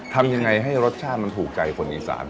ทำยังไงให้รสชาติมันถูกใจคนอีสาน